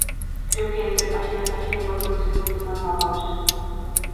Creo que entre páxina e páxina igual pode ser bo tomar unha pausa.